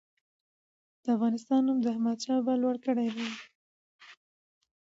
د افغانستان نوم د احمدشاه بابا لوړ کړی دی.